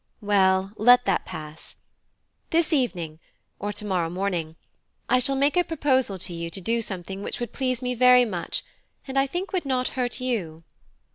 Well, let that pass. This evening, or to morrow morning, I shall make a proposal to you to do something which would please me very much, and I think would not hurt you."